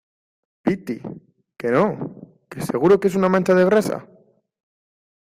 piti, que no , que seguro que es una mancha de grasa.